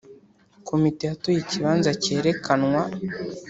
komite yatoye ikibanza cyerekanwa.